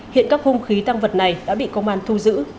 hiện các hung khí tăng vật này đã bị công an thu giữ